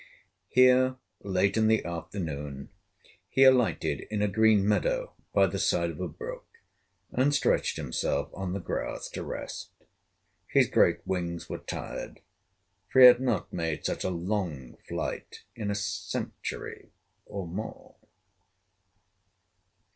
Here, late in the afternoon, he alighted in a green meadow by the side of a brook, and stretched himself on the grass to rest. His great wings were tired, for he had not made such a long flight in a century, or more.